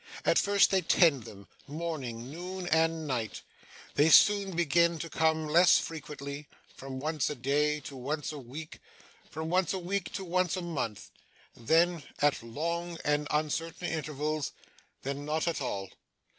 At first they tend them, morning, noon, and night; they soon begin to come less frequently; from once a day, to once a week; from once a week to once a month; then, at long and uncertain intervals; then, not at all.